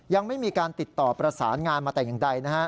ยังไม่มีการติดต่อประสานงานมาแต่อย่างใดนะฮะ